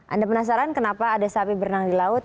anda penasaran kenapa ada sapi berenang di laut